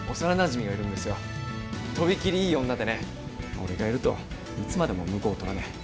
俺がいるといつまでも婿を取らねえ。